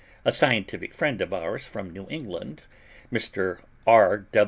A scientific friend of ours from New England (Mr. R.